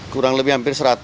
kurang lebih hampir seratus